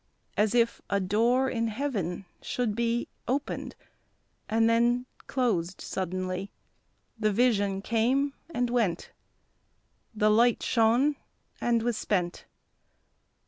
As if a door in heaven should be Opened, and then closed suddenly, The vision came and went, The light shone and was spent.